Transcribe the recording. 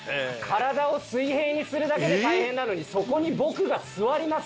体を水平にするだけで大変なのにそこに僕が座ります。